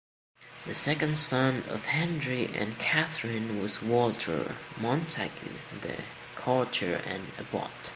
The second son of Henry and Catherine was Walter Montagu, the courtier and abbot.